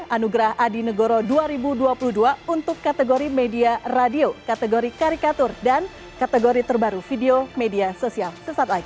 anugerah adi negoro dua ribu dua puluh dua untuk kategori media radio kategori karikatur dan kategori terbaru video media sosial sesaat lagi